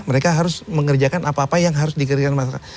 mereka harus mengerjakan apa apa yang harus dikerjakan masyarakat